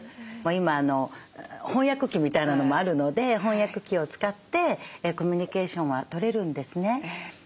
今翻訳機みたいなのもあるので翻訳機を使ってコミュニケーションは取れるんですね。